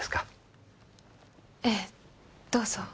ええどうぞ。